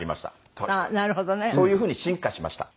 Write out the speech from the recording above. そういうふうに進化しました。